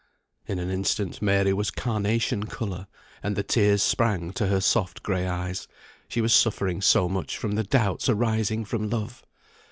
In an instant Mary was carnation colour, and the tears sprang to her soft gray eyes; she was suffering so much from the doubts arising from love!